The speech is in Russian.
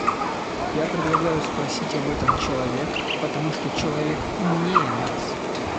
Я предлагаю спросить об этом человека, потому что человек умнее нас.